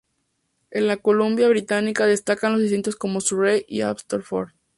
En la Columbia Británica destacan los distritos como Surrey y Abbotsford.